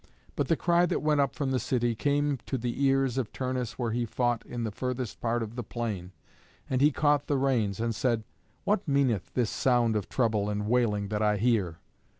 But the cry that went up from the city came to the ears of Turnus where he fought in the furthest part of the plain. And he caught the reins and said, "What meaneth this sound of trouble and wailing that I hear?"